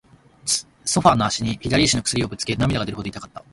ソファーの脚に、左足の薬指をぶつけ、涙が出るほど痛かった。